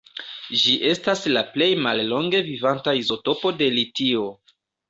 Ĝi estas la plej mallonge vivanta izotopo de litio.